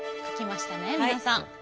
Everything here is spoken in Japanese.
書きましたね皆さん。